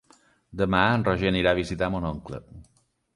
Demà en Roger anirà a visitar mon oncle.